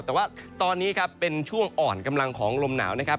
แต่ว่าตอนนี้ครับเป็นช่วงอ่อนกำลังของลมหนาวนะครับ